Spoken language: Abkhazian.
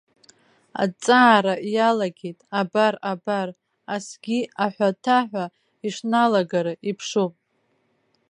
Аҵаара иалагеит, абар-абар, асгьы аҳәатаҳәа ишналагара иԥшуп.